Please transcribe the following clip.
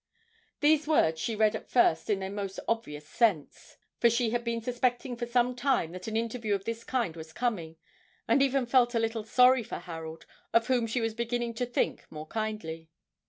These words she read at first in their most obvious sense, for she had been suspecting for some time that an interview of this kind was coming, and even felt a little sorry for Harold, of whom she was beginning to think more kindly.